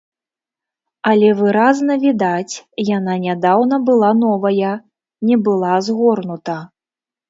Але выразна відаць, яна нядаўна была новая, не была згорнута.